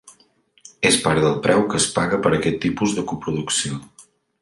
És part del preu que es paga per aquest tipus de coproducció.